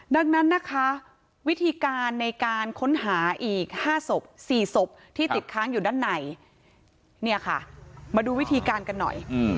ดังนั้นนะคะวิธีการในการค้นหาอีก๕ศพ๔ศพที่ติดค้างอยู่ด้านในเนี่ยค่ะมาดูวิธีการกันหน่อย